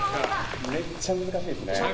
めっちゃ難しいですね。